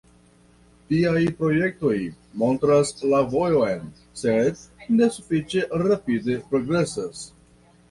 Tiaj projektoj montras la vojon, sed ne sufiĉe rapide progresas.